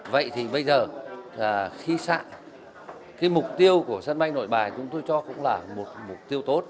vậy thì bây giờ là khi xạ cái mục tiêu của sân bay nội bài chúng tôi cho cũng là một mục tiêu tốt